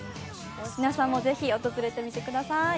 皆さんもぜひ訪れてみてください。